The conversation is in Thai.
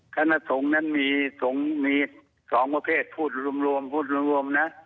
คณะสงฆ์นั้นมีสองประเทศพูดรวมนะ